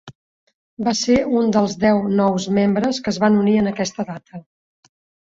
Va ser un dels deu nous membres que es van unir en aquesta data.